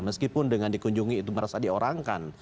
meskipun dengan dikunjungi itu merasa diorangkan